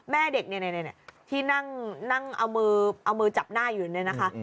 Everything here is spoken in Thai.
แม่เด็กเนี่ยที่นั่งเอามือจับหน้าอยู่เนี่ยนะคะ